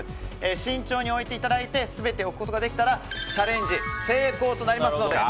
慎重に置いていただいて全て置くことができたらチャレンジ成功となりますので。